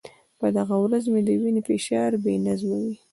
په دغه ورځ مې د وینې فشار بې نظمه و.